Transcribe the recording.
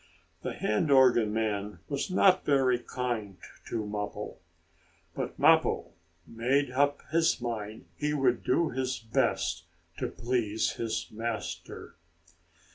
The hand organ man was not very kind to Mappo. But Mappo made up his mind he would do his best to please his master.